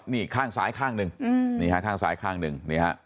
นี่ข้างซ้ายข้างนึงนี่ฮะข้างซ้ายข้างนึง